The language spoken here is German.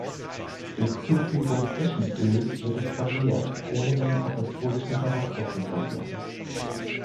Durch Zufügung frischen Öls wird es vermehrt, ohne seinen apostolischen Charakter zu verlieren.